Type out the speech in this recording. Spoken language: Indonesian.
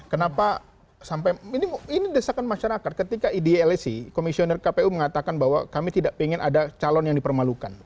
kenapa sampai ini desakan masyarakat ketika idlc komisioner kpu mengatakan bahwa kami tidak ingin ada calon yang dipermalukan